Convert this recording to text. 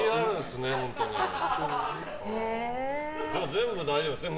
全部大丈夫ですね。